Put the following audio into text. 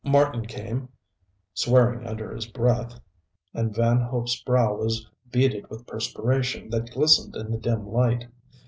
Marten came, swearing under his breath, and Van Hope's brow was beaded with perspiration that glistened in the dim light.